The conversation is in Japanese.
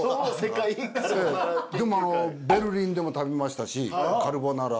でもベルリンでも食べましたしカルボナーラを。